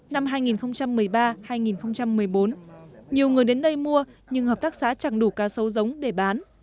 năm hai nghìn một mươi ba hai nghìn một mươi bốn nhiều người đến đây mua nhưng hợp tác xã chẳng đủ cá sấu giống để bán